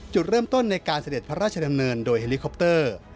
จุดเริ่มต้นในการเสด็จพระราชดำเนินโดยเฮลิคอปเตอร์